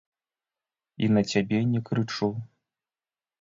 І на цябе не крычу.